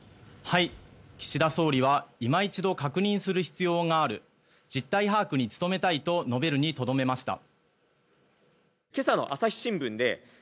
岸田総理はいま一度確認する必要がある実態把握に努めたいと述べるにとどめました。